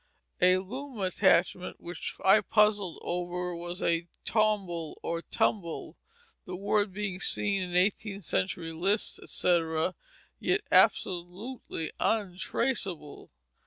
A loom attachment which I puzzled over was a tomble or tumble, the word being seen in eighteenth century lists, etc., yet absolutely untraceable.